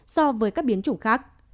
so với các biến chủng khác